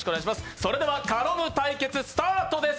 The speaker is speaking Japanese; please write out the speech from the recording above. それでは「カロム」対決スタートです。